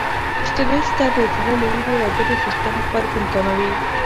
سټرس ته د زړه او وينې رګونو سيستم غبرګون کموي.